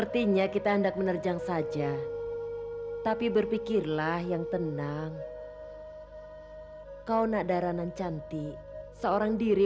tidak juga melihatnya dengan membutuhkan evangeline